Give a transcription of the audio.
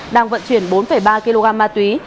đang vận chuyển bốn ba kg ma túy